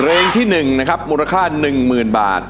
เพลงที่หนึ่งนะครับมูลค่าหนึ่งหมื่นบาท